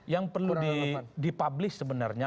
yang perlu dipublish sebenarnya